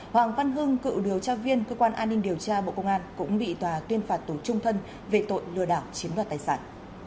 hoàng văn hưng cựu điều tra viên cơ quan an ninh điều tra bộ công an cũng bị tòa tuyên phạt tù trung thân về tội lừa đảo chiếm đoạt tài sản